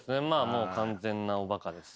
もう完全なおバカです。